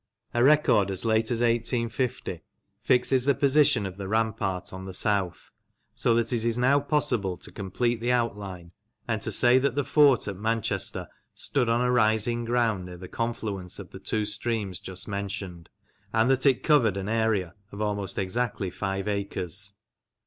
A record as late as 1850 fixes the position of the rampart on the south, so that it is now possible to complete the outline, and to say that the fort at Manchester stood on a rising ground near the confluence of the two streams just mentioned, and that it covered an area of almost exactly five acres.